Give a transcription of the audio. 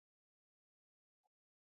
سرحدونه د افغانستان د زرغونتیا نښه ده.